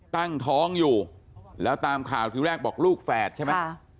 ตั้งท้องอยู่แล้วตามข่าวที่แรกบอกลูกแฝดใช่ไหม